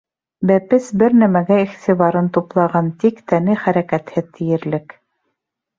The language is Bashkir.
Бәпес бер нәмәгә иғтибарын туплаған, тик тәне хәрәкәтһеҙ тиерлек.